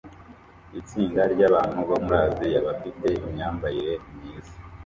Itsinda ryabantu bo muri Aziya bafite imyambarire myiza